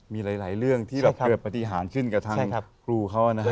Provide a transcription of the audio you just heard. มีหลายเรื่องที่เราเกิดปฏิหารขึ้นกับทางครูเขานะฮะ